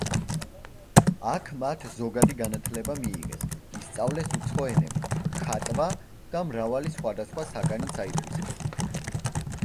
აქ მათ ზოგადი განათლება მიიღეს, ისწავლეს უცხო ენები, ხატვა და მრავალი სხვადასხვა საგანიც აითვისეს.